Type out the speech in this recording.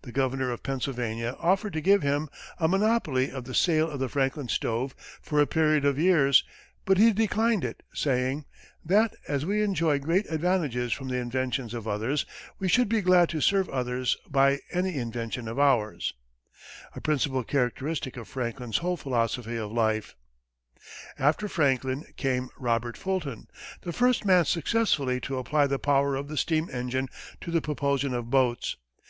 The Governor of Pennsylvania offered to give him a monopoly of the sale of the Franklin stove for a period of years, but he declined it, saying, "That, as we enjoy great advantages from the inventions of others, we should be glad to serve others by any invention of ours" a principle characteristic of Franklin's whole philosophy of life. After Franklin, came Robert Fulton, the first man successfully to apply the power of the steam engine to the propulsion of boats.